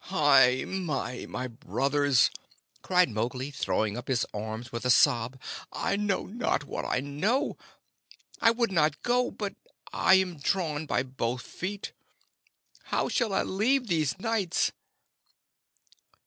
"Hai mai, my brothers," cried Mowgli, throwing up his arms with a sob. "I know not what I know! I would not go; but I am drawn by both feet. How shall I leave these nights?"